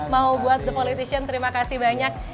mau buat the politician terima kasih banyak